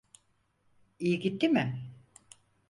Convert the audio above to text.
İyi gitti mi?